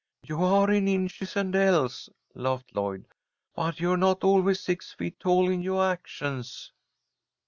"You are in inches and ells," laughed Lloyd, "but you're not always six feet tall in yoah actions."